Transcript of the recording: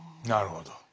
なるほど。